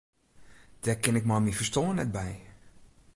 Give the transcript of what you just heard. Dêr kin ik mei myn ferstân net by.